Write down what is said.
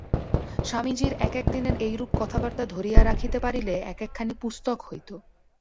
স্বামীজীর এক এক দিনের এইরূপ কথাবার্তা ধরিয়া রাখিতে পারিলে এক একখানি পুস্তক হইত।